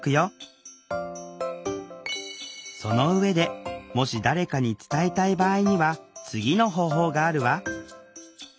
その上でもし誰かに伝えたい場合には次の方法があるわ。